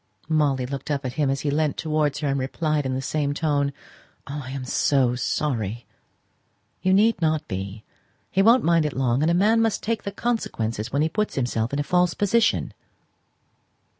Molly looked up at him as he leant towards her, and replied in the same tone "Oh, I am so sorry!" "You need not be. He won't mind it long; and a man must take the consequences when he puts himself in a false position."